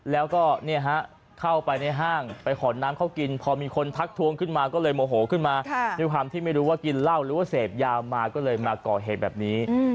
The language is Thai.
แล้วก็เข้าไปในห้างไปขอน้ำเขากินพอมีคนทักทวงขึ้นมาก็เลยโมโหขึ้นมาด้วยความที่ไม่รู้ว่ากินเหล้าหรือว่าเสพยามาก็เลยมาก่อเหตุแบบนี้